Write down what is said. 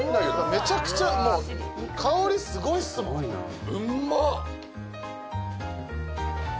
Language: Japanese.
めちゃくちゃもう香りすごいっすもんうんま！